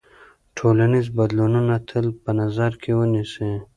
ټولنیز بدلونونه تل په نظر کې ونیسئ.